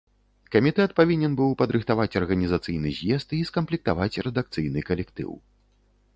Камітэт павінен быў падрыхтаваць арганізацыйны з'езд і скамплектаваць рэдакцыйны калектыў.